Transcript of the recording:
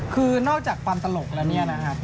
คือนอกจากความตลกแล้วเนี่ยนะครับ